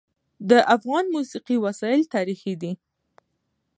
د افغان موسیقي وسایل تاریخي دي.